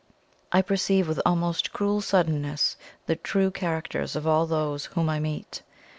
I perceive with almost cruel suddenness the true characters of all those whom I meet.